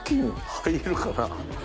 入るかな。